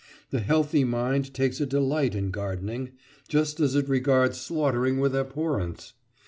The healthy mind takes a delight in gardening, just as it regards slaughtering with abhorrence.